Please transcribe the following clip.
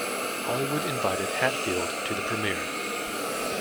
Hollywood invited Hatfield to the premiere.